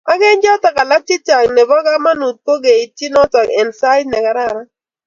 ak eng' choto alak chechang nebo kamangut ko keitchi noton eng sait ne kararan